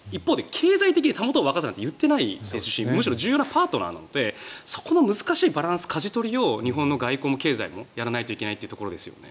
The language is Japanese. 経済的にたもとを分かつとは言っていないしむしろ重要なパートナーなのでそこの難しいバランスかじ取りを日本の外交も経済もやらないといけないというところですね。